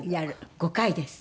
５回です。